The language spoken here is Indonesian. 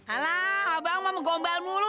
alah abang mau menggombal mulu